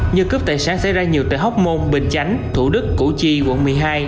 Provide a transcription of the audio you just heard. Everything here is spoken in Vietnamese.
như cướp tài sản xảy ra nhiều tại hóc môn bình chánh thủ đức củ chi quận một mươi hai